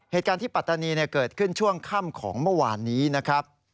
เหตุการณ์ที่ปัตตานีเกิดขึ้นช่วงค่ำของเมื่อวานนี้นะครับ